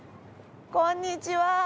こんにちは。